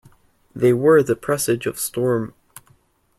They were the presage of storm.